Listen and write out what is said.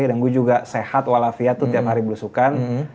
dan gue juga sehat walafiat tuh tiap hari belusukan